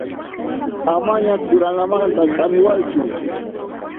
Amaña quranamanta k'amiwaychu.